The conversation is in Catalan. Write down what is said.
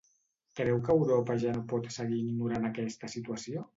Creu que Europa ja no pot seguir ignorant aquesta situació?